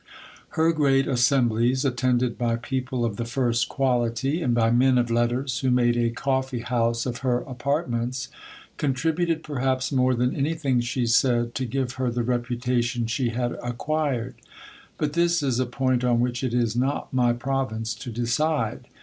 Her great assemblies, attended by people of the first quality, and by men of letters who made a coffee house of her apartments, contributed perhaps more than anything she said to give her the reputation she had acquired. But this is a point on which it is not my province to decide.